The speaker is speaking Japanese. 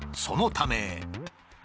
そのため。